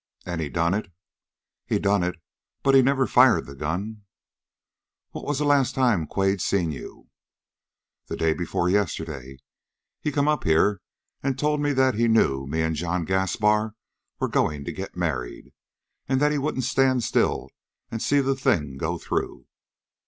"And he done it?" "He done it. But he never fired the gun." "What was the last time Quade seen you?" "The day before yesterday. He come up here and told me that he knew me and John Gaspar was going to get married, and that he wouldn't stand still and see the thing go through."